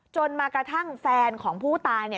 จนมากระทั่งแฟนของผู้ตาย